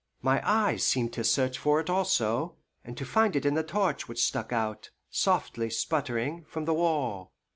My eyes seemed to search for it also, and to find it in the torch which stuck out, softly sputtering, from the wall.